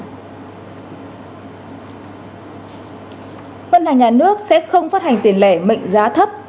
ngân hàng nhà nước sẽ không phát hành tiền lẻ mệnh giá thấp